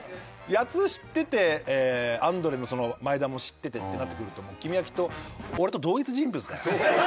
谷津知っててアンドレも前田も知っていてってなってくると君はきっと俺と同一人物だよ。